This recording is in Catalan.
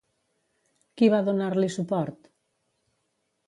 Qui va donar-li suport?